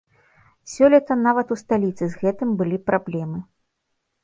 Сёлета нават у сталіцы з гэтым былі праблемы.